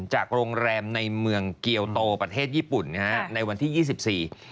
จากโรงแรมในเมืองเกียวโตประเทศญี่ปุ่นในวันที่๒๔